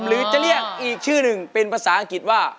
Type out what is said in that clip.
หรือจะเรียกอีกชื่อหนึ่งเป็นภาษาอังกฤษว่า